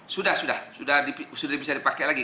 sudah sudah sudah bisa dipakai lagi